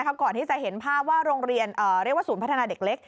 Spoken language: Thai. ก่อนที่จะเห็นภาพว่าโรงเรียนเรียกว่าศูนย์พัฒนาเด็กเล็ก